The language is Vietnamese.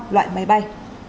loại máy bay